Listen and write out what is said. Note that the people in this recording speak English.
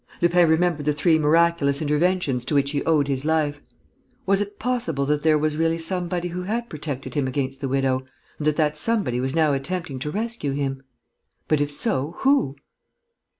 Lupin remembered the three miraculous interventions to which he owed his life. Was it possible that there was really somebody who had protected him against the widow, and that that somebody was now attempting to rescue him? But, if so, who?